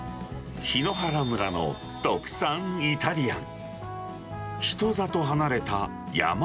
檜原村の特産イタリアン。